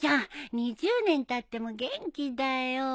２０年たっても元気だよ。